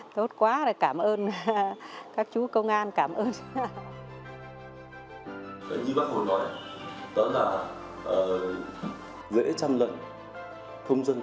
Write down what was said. tốt quá cảm ơn các chú công an cảm ơn